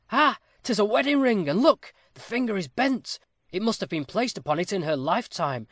ha! 'tis a wedding ring! And look! the finger is bent. It must have been placed upon it in her lifetime.